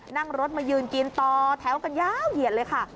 นั่งรถมายืนกินต่อแถวกันยาวเหยียดเลยค่ะ